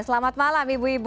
selamat malam ibu ibu